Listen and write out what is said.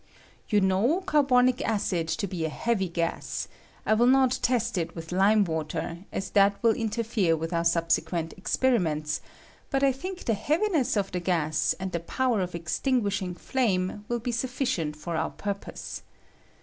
You know carbonic acid to be a heavy gas : I wiU not test it with lime water, aa that will interfere with our sub sequent experiments, but I think the heaviness of the gas and the power of extinguishing flame will be sufficient for our purpose.